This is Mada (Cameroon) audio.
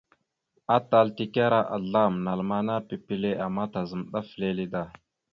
Atal tekara azlam (naləmana) pipile ama tazam ɗaf lele da.